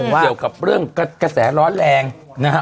เกี่ยวกับเรื่องกระแสร้อนแรงนะฮะ